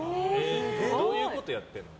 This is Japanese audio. どういうことやってるの？